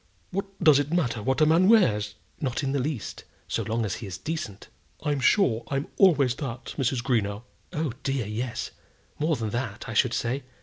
What does it matter what a man wears?" "Not in the least, so long as he is decent." "I'm sure I'm always that, Mrs. Greenow." "Oh, dear, yes. More than that, I should say.